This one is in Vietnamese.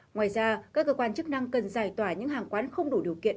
ngoài ra các cơ quan chức năng cần giải tỏa những hàng quán không đủ điều kiện